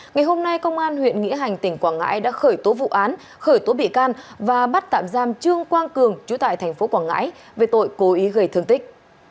ngày hôm nay công an huyện nghĩa hành tỉnh quảng ngãi đã khởi tố vụ án khởi tố bị can và bắt tạm giam trương quang cường chú tại tp quảng ngãi về tội cố ý gây thương tích